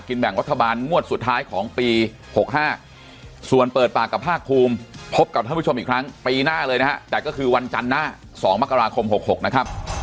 แบ่งรัฐบาลงวดสุดท้ายของปี๖๕ส่วนเปิดปากกับภาคภูมิพบกับท่านผู้ชมอีกครั้งปีหน้าเลยนะฮะแต่ก็คือวันจันทร์หน้า๒มกราคม๖๖นะครับ